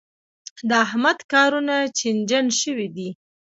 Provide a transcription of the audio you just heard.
د احمد کارونه چينجن شوي دي.